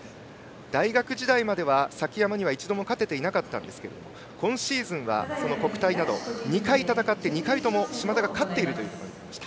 大学時代までは崎山には一度も勝てていなかったんですが今シーズンは国体などで２回戦って２回とも嶋田が勝っているということになりました。